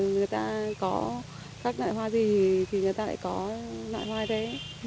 người ta có các loại hoa gì thì người ta lại có loại hoa đấy